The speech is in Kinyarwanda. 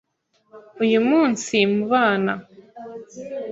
uyu munsi mu bana